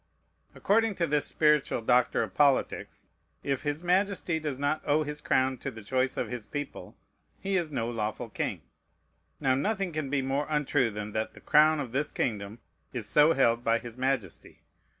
According to this spiritual doctor of politics, if his Majesty does not owe his crown to the choice of his people, he is no lawful king. Now nothing can be more untrue than that the crown of this kingdom is so held by his Majesty.